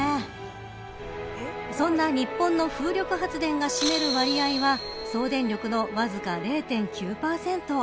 そんな日本の風力発電が占める割合は総電力のわずか０．９％。